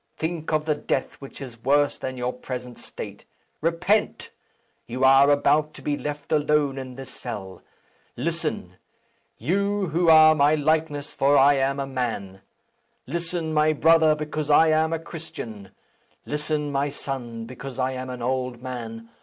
Think of the death which is worse than your present state. Repent! You are about to be left alone in this cell. Listen! you who are my likeness; for I am a man! Listen, my brother, because I am a Christian! Listen, my son, because I am an old man!